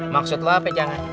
maksud lo apa jangan